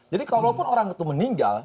jadi kalaupun orang itu meninggal